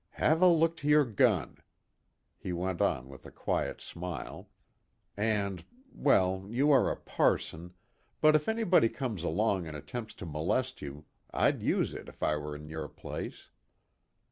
"Have a look to your gun," he went on with a quiet smile, "and well, you are a parson, but if anybody comes along and attempts to molest you I'd use it if I were in your place."